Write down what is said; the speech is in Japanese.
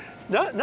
何？